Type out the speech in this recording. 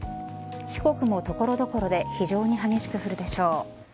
四国も所々で非常に激しく降るでしょう。